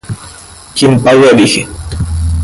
Quien paga elige.